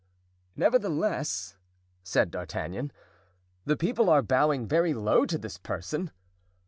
"Nevertheless," said D'Artagnan, "the people are bowing very low to this person."